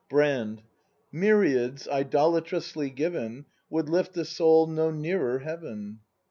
Brand. Myriads, idolatrously given, Would lift the soul no nearer heaven.